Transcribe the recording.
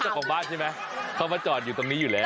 เจ้าของบ้านใช่ไหมเขามาจอดอยู่ตรงนี้อยู่แล้ว